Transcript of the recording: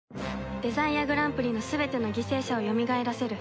デザイアグランプリの全ての犠牲者をよみがえらせる